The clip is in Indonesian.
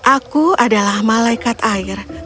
aku adalah malaikat air